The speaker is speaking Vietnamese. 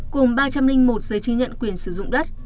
cùng ba trăm linh một giấy chứng nhận quyền sử dụng đất